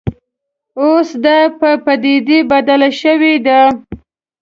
اوس دا په پدیده بدله شوې ده